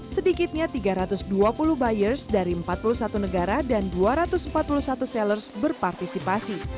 sedikitnya tiga ratus dua puluh buyers dari empat puluh satu negara dan dua ratus empat puluh satu sellers berpartisipasi